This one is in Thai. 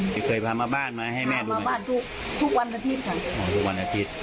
เคยพามาบ้านมาให้แม่มาบ้านทุกทุกวันอาทิตย์ค่ะอ๋อทุกวันอาทิตย์